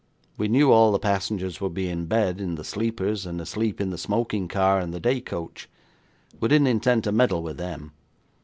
We knew all the passengers would be in bed in the sleepers, and asleep in the smoking car and the day coach. We didn't intend to meddle with them.